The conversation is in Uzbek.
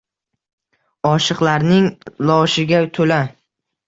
oshiqlarning loshiga toʼla